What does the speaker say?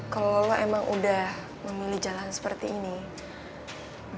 kamu tuh kenapa sih berantem terus